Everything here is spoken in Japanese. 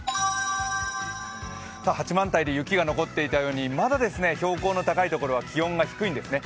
八幡平で雪が残っていたように、まだ標高の高いところは気温が低いんですね。